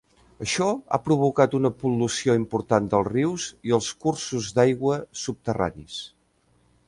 Això ha provocat una pol·lució important dels rius i els cursos d'aigua subterranis.